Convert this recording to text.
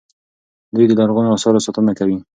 دوی د لرغونو اثارو ساتنه کوي.